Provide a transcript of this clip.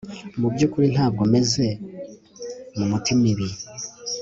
Mubyukuri ntabwo meze mumutima ibi